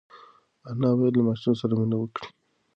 انا باید له ماشوم سره مینه وکړي.